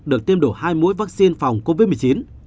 được tiêm đủ hai mũi vaccine phòng covid một mươi chín